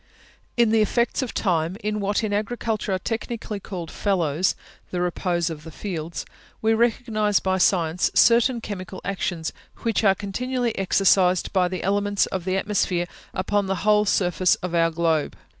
In the effects of time, in what in Agriculture are technically called fallows the repose of the fields we recognise by science certain chemical actions, which are continually exercised by the elements of the atmosphere upon the whole surface of our globe.